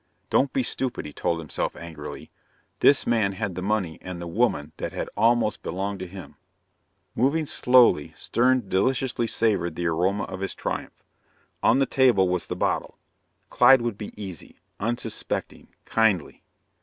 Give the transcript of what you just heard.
Don't be stupid, he told himself angrily. This man had the money and the woman that had almost belonged to him. Moving slowly, Stern deliciously savored the aroma of his triumph. On the table was the bottle. Clyde would be easy, unsuspecting, kindly.